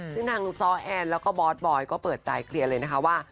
ที่ทางซอแอนและบอสบอยก็เปิดใจเคลียรเลยนะคะว่า